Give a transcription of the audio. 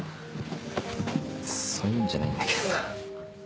そういうんじゃないんだけどな。